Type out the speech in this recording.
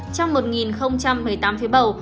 trong một một mươi tám phía bầu